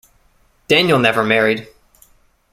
Daniell never married.